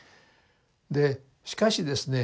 でしかしですね